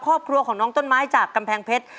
ครอบครัวของน้องต้นไม้จากกำแพงเพชร